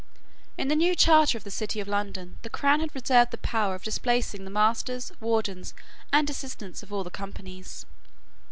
In the new charter of the City of London the crown had reserved the power of displacing the masters, wardens, and assistants of all the companies.